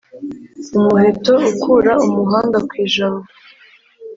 Umuheto ukura umuhanga ku ijabo